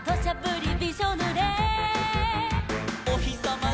「おひさま